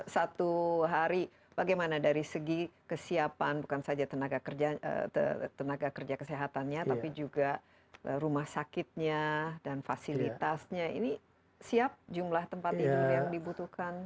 satu hari bagaimana dari segi kesiapan bukan saja tenaga kerja kesehatannya tapi juga rumah sakitnya dan fasilitasnya ini siap jumlah tempat tidur yang dibutuhkan